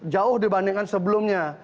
jauh dibandingkan sebelumnya